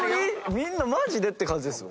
みんなマジで⁉って感じですよ。